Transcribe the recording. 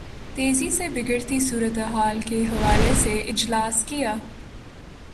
تیزی سے بگڑتی صورت حال کے حوالے سے اجلاس کیا